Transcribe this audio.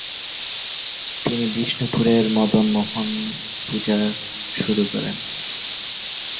তিনি বিষ্ণুপুরের মদন মোহন পূজা শুরু করেন।